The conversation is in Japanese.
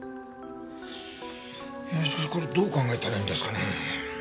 いやしかしこれどう考えたらいいんですかね？